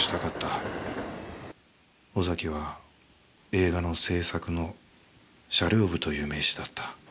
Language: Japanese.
尾崎は映画の制作の車輌部という名刺だった。